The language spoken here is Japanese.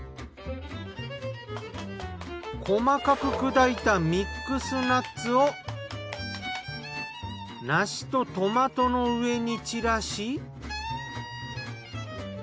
細かく砕いたミックスナッツを梨とトマトの上に散らし。